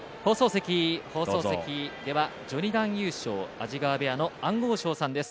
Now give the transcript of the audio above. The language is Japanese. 放送席、序二段優勝の安治川部屋の安大翔さんです。